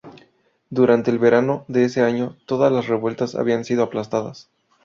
Durante el verano de ese año todas las revueltas habían sido aplastadas.